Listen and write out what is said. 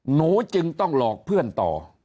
หนูจึงต้องหลอกเพื่อนต่อ